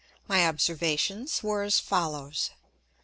My Observations were as follows.